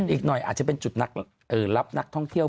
อีกหน่อยอาจจะเป็นจุดรับนักท่องเที่ยว